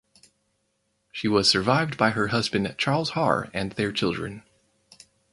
She was survived by her husband Charles Haar and their children.